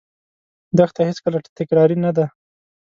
دښته هېڅکله تکراري نه ده.